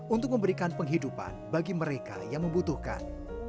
untuk memberikan penghidupan bagi mereka yang membutuhkan